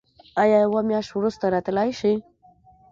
ایا یوه میاشت وروسته راتلی شئ؟